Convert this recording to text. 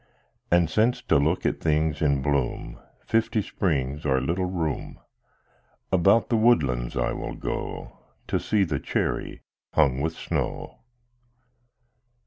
And since to look at things in bloom Fifty springs are little room, About the woodlands I will go To see the cherry hung with snow.